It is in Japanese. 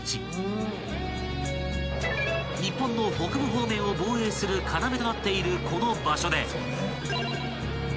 ［日本の北部方面を防衛する要となっているこの場所で］